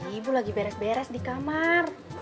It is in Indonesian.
ibu lagi beres beres di kamar